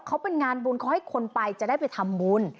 เขาเป็นงานบุญเขาให้คนไปจะได้ไปทำบุญ